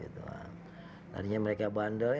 tadinya mereka bandel